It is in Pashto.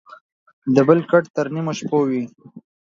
دبل کټ تر نيمو شپو وى.